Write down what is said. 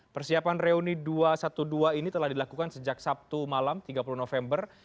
persiapan reuni dua ratus dua belas ini telah dilakukan sejak sabtu malam tiga puluh november